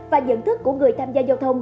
và nhận thức của người tham gia giao thông